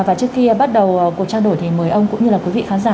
và trước kia bắt đầu cuộc trao đổi thì mời ông cũng như là quý vị khán giả